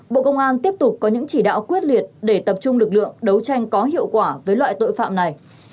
bộ công an tiếp tục có những chỉ đạo quyết liệt để tập trung lực lượng đấu tranh có hiệu quả với loại tội phạm này